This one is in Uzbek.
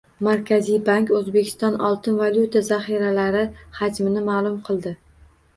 Markaziy bank O‘zbekiston oltin-valyuta zaxiralari hajmini ma’lum qildi